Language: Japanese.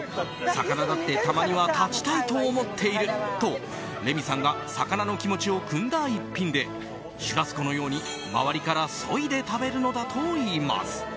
魚だってたまには立ちたいと思っているとレミさんが魚の気持ちをくんだ一品でシュラスコのように周りからそいで食べるのだといいます。